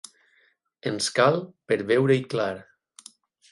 Ens cal per veure-hi clar.